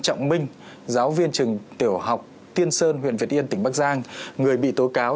trọng minh giáo viên trường tiểu học tiên sơn huyện việt yên tỉnh bắc giang người bị tố cáo